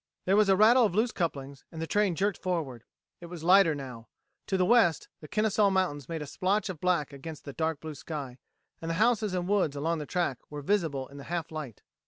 There was a rattle of loose couplings, and the train jerked forward. It was lighter now. To the west, the Kennesaw Mountains made a splotch of black against the dark blue sky, and the houses and woods along the track were visible in the half light.